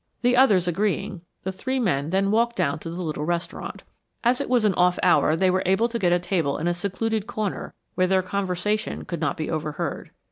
The others agreeing, the three men then walked down to the little restaurant. As it was an off hour they were able to get a table in a secluded corner where their conversation could not be overheard.